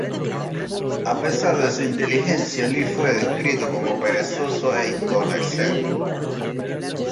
A pesar de su inteligencia, Luis fue descrito como perezoso e indolente.